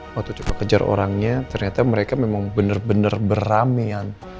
waktu kita kejar orangnya ternyata mereka memang benar benar beramaian